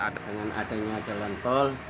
dengan adanya jalan tol